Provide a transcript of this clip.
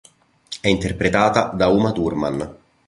È interpretata da Uma Thurman.